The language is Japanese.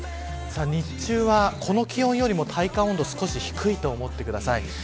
日中はこの気温よりも体感温度は低いと思ってください。